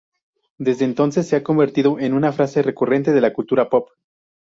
Desde entonces se ha convertido en una frase recurrente de la cultura pop.